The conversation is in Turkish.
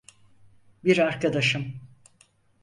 Bir arkadaşım.